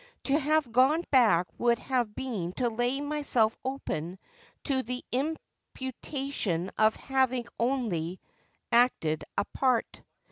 ' To have gone back would have been to lay myself open to the imputation of having oi ly a?tel a part.